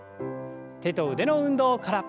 手と腕の運動から。